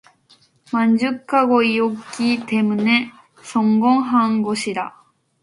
만족하고 있었기 때문에 성공한 것이다.